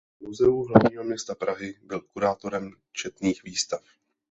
V Museu hlavního města Prahy byl kurátorem četných výstav.